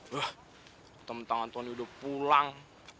wah kata kata antoni udah pulang